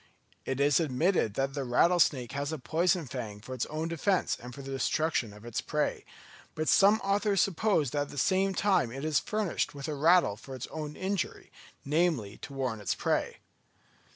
It is admitted that the rattlesnake has a poison fang for its own defence and for the destruction of its prey; but some authors suppose that at the same time it is furnished with a rattle for its own injury, namely, to warn its prey.